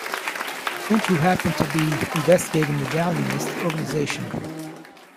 Finch, who happened to be investigating the "Galleanist" organization.